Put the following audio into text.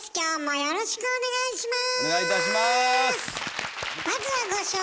よろしくお願いします。